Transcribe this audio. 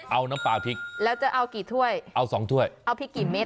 เอาน้ำปลาพริกแล้วจะเอากี่ถ้วยเอาสองถ้วยเอาพริกกี่เม็ด